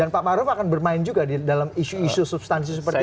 dan pak maruf akan bermain juga dalam isu isu substansi seperti itu